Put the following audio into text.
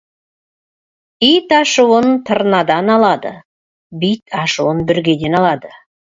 Ит ашуын тырнадан алады, бит ашуын бүргеден алады.